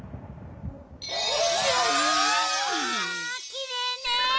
きれいねえ！